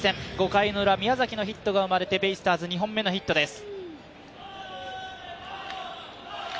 ５回ウラ宮崎のヒットが生まれてベイスターズ２本目のヒットです。